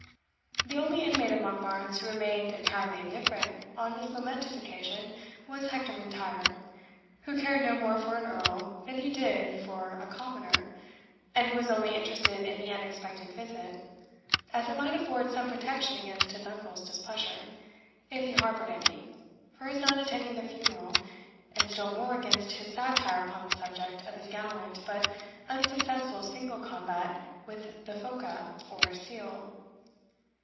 The only inmate of Monkbarns who remained entirely indifferent on this momentous occasion was Hector M'Intyre, who cared no more for an Earl than he did for a commoner, and who was only interested in the unexpected visit, as it might afford some protection against his uncle's displeasure, if he harboured any, for his not attending the funeral, and still more against his satire upon the subject of his gallant but unsuccessful single combat with the phoca, or seal.